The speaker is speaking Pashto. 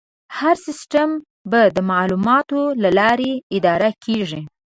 هر سیستم به د معلوماتو له لارې اداره کېږي.